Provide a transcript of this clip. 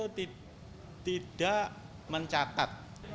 jadi tidak mencatat